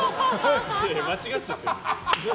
間違っちゃってるじゃん。